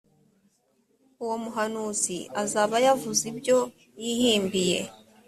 uwo muhanuzi azaba yavuze ibyo yihimbiye.